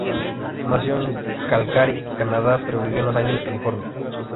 Nació en Calgary, Canadá pero vivió en Los Ángeles, California.